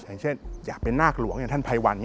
อย่างเช่นอยากเป็นนาคหลวงอย่างท่านภัยวัน